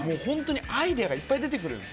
アイデアがいっぱい出てくるんです。